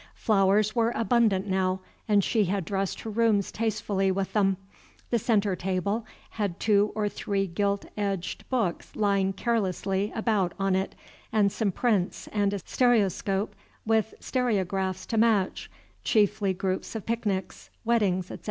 Flowers were abundant now, and she had dressed her rooms tastefully with them. The centre table had two or three gilt edged books lying carelessly about on it, and some prints and a stereoscope with stereographs to match, chiefly groups of picnics, weddings, etc.